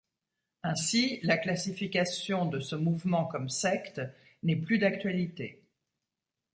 Ainsi, la classification de ce mouvement comme secte n'est plus d'actualité.